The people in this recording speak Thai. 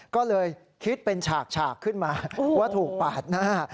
ก็เลยคิดเป็นฉากขึ้นมาว่าถูกปาดหน้า